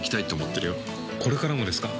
これからもですか？